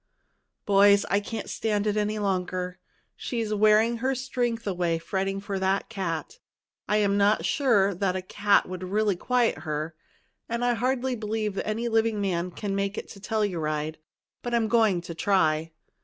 "Boys, I can't stand it any longer. She's wearing her strength away fretting for that cat. I'm not sure that a cat would really quiet her, and I hardly believe any living man can make it to Telluride, but I'm going to try."